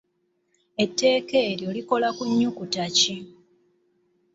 Etteeka eryo likola ku nnyukuta ki?